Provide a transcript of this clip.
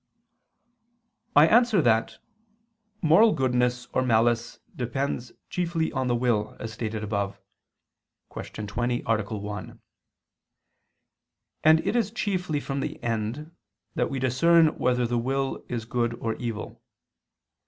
I answer that, Moral goodness or malice depends chiefly on the will, as stated above (Q. 20, A. 1); and it is chiefly from the end that we discern whether the will is good or evil.